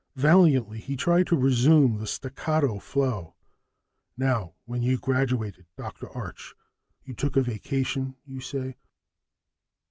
Valiantly, he tried to resume the staccato flow: "Now, when you graduated, Dr. Arch, you took a vacation, you say.